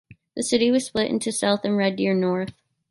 The city was split into South and Red Deer-North.